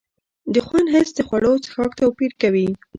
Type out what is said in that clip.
د خوند حس د خوړو او څښاک توپیر کوي.